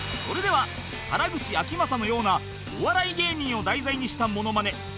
それでは原口あきまさのようなお笑い芸人を題材にしたモノマネ